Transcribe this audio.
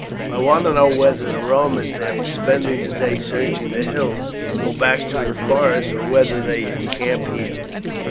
I want to know whether the Romans, after spending the day searching the hills, go back through the forest, or whether they encamp here.